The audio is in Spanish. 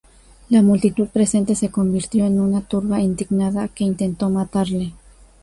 La multitud presente se convirtió en una turba indignada que intentó matarle.